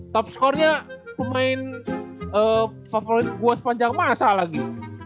topscore nya pemain favorit gue sepanjang masa lagi